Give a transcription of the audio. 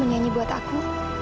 mau nyanyi buat aku